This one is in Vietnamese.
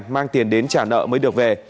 mang tiền đến trả nợ mới được về